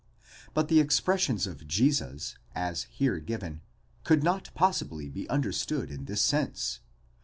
But the expressions of Jesus, as here given, could not possibly be understood in this sense.